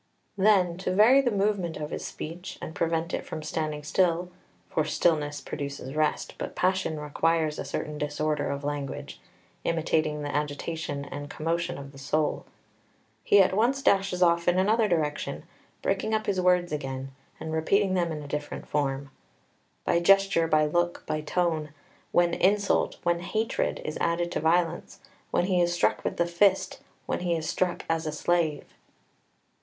2 Then, to vary the movement of his speech, and prevent it from standing still (for stillness produces rest, but passion requires a certain disorder of language, imitating the agitation and commotion of the soul), he at once dashes off in another direction, breaking up his words again, and repeating them in a different form, "by gesture, by look, by tone when insult, when hatred, is added to violence, when he is struck with the fist, when he is struck as a slave!"